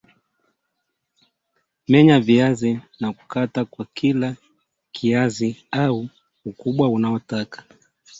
Menya viazi na kukata kwa kila kiazi au ukubwa unaotaka